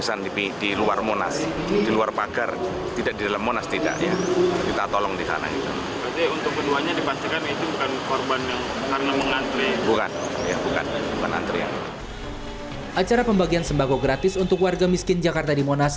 acara pembagian sembako gratis untuk warga miskin jakarta di monas